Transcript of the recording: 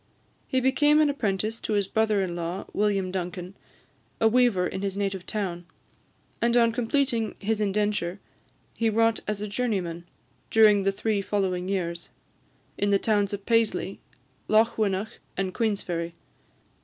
He became an apprentice to his brother in law, William Duncan, a weaver in his native town; and on completing his indenture, he wrought as a journeyman, during the three following years, in the towns of Paisley, Lochwinnoch, and Queensferry.